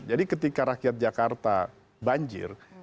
jadi ketika rakyat jakarta banjir